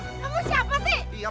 kamu siapa sih